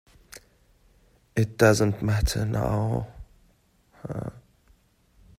It doesn't matter now.